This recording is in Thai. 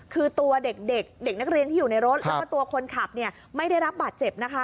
คือตัวเด็กเด็กนักเรียนที่อยู่ในรถแล้วก็ตัวคนขับเนี่ยไม่ได้รับบาดเจ็บนะคะ